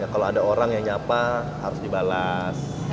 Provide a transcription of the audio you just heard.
kalau ada orang yang nyapa harus dibalas